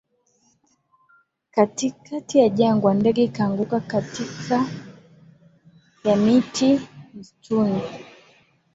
katikati ya jangwa Ndege ikaanguka katika ya miti msituni